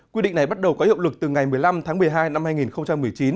quy định này bắt đầu có hiệu lực từ ngày một mươi năm tháng một mươi hai năm hai nghìn một mươi chín